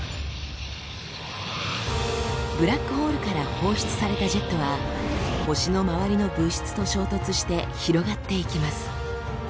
ブラックホールから放出されたジェットは星の周りの物質と衝突して広がっていきます。